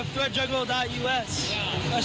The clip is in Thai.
ที่สนชนะสงครามเปิดเพิ่ม